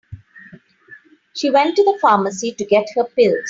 She went to the pharmacy to get her pills.